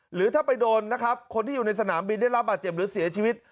หรือถ้าไปโดนนะครับคนที่อยู่ในสนามบินได้รับบาดเจ็บหรือเสียชีวิต